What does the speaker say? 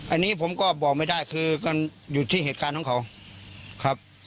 อันนี้ผมก็บอกไม่ได้คือกันอยู่ที่เหตุการณ์ของเขาครับ